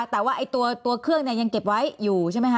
แต่ว่าตัวเครื่องเนี่ยยังเก็บไว้อยู่ใช่ไหมคะ